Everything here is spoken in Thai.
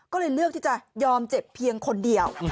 ก็เลยเลือกที่จะยอมเจ็บเพียงคนเดียว